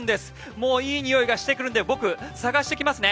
もういいにおいがしてくるので僕、探してきますね。